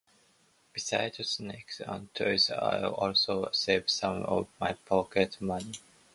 Besides snacks and toys, I also save some of my pocket money.